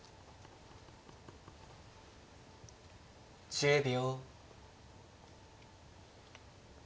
１０秒。